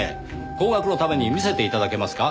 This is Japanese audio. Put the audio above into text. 後学のために見せて頂けますか？